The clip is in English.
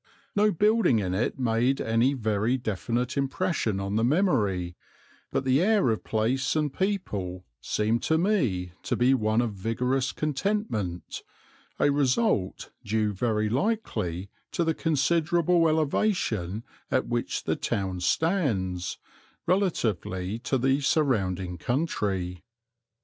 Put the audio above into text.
No building in it made any very definite impression on the memory, but the air of place and people seemed to me to be one of vigorous contentment, a result due very likely to the considerable elevation at which the town stands, relatively to the surrounding country.